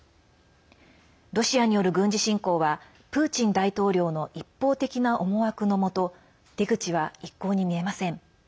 ロシアによる軍事侵攻はプーチン大統領の一方的な思惑のもと出口は一向に見えません。